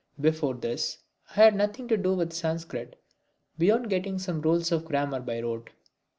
Before this I had nothing to do with Sanskrit beyond getting some rules of grammar by rote.